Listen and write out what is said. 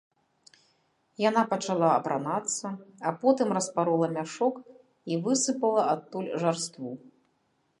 Яна пачала апранацца, а потым распарола мяшок і высыпала адтуль жарству.